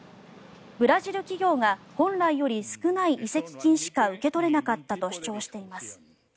ブラジル企業が本来より少ない移籍金しか受け取れなかったと主張しています。